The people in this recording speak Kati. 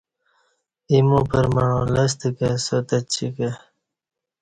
ایمو پرمعاں لستہ کہ ساتچی کہ